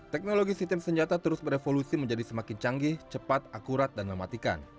teknologi sistem senjata terus berevolusi menjadi semakin canggih cepat akurat dan mematikan